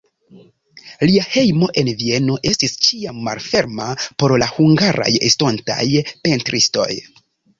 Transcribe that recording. Lia hejmo en Vieno estis ĉiam malferma por la hungaraj estontaj pentristoj.